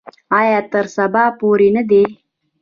آیا او تر سبا پورې نه دی؟